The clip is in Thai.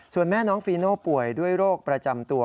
ส่วนแม่น้องฟีโน่ป่วยด้วยโรคประจำตัว